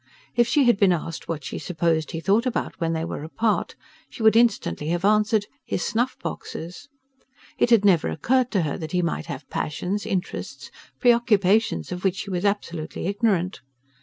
If she had been asked what she supposed he thought about when they were apart, she would instantly have answered: his snuff boxes. It had never occurred to her that he might have passions, interests, preoccupations of which she was absolutely ignorant.